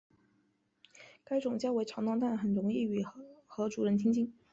该种较为吵闹但很容易和主人亲近。